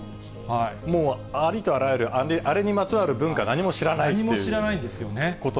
もう、ありとあらゆる、あれにまつわる文化、何も知らないですよね。